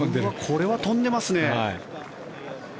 これは飛んでますね。